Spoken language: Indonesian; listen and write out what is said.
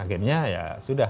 akhirnya ya sudah